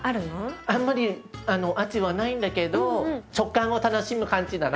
あんまり味はないんだけど食感を楽しむ感じだな。